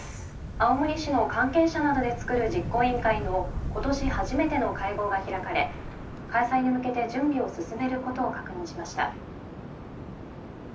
「青森市の関係者などで作る実行委員会の今年初めての会合が開かれ開催に向けて準備を進めることを確認しました」。